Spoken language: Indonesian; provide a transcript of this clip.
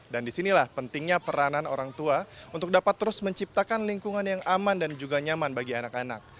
dan disinilah pentingnya peranan orang tua untuk dapat terus menciptakan lingkungan yang aman dan juga nyaman bagi anak anak